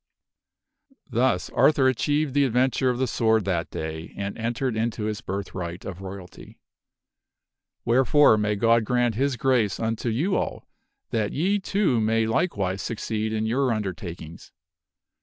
Thus Arthur achieved the adventure of the sword that day and entered into his birthright of royalty. Wherefore, may God grant His Grace unto you all that ye too may likewise succeed in your undertakings.